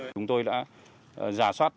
chúng tôi đã giả soát